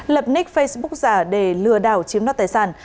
lập nick facebook giả để lừa đảo chiếm đoạt tài sản